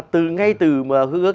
từ ngay từ mà hương ước